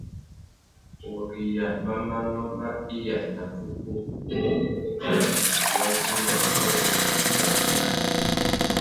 Wuriya má manô mà iya nà kúkú i mà enga watu wa dinga wa wu ena kā màkánà.